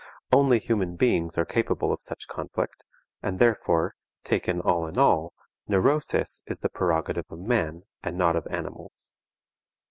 Only human beings are capable of such conflict, and therefore, taken all in all, neurosis is the prerogative of man, and not of animals.